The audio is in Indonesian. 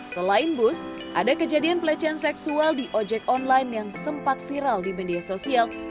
selain bus ada kejadian pelecehan seksual di ojek online yang sempat viral di media sosial